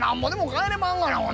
変えれまんがな！